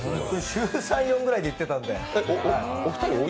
週３４くらいで行ってたんで。